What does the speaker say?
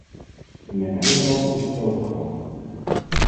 In mijn eigen land is het zo gegaan.